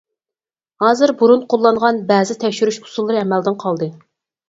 ھازىر بۇرۇن قوللانغان بەزى تەكشۈرۈش ئۇسۇللىرى ئەمەلدىن قالدى.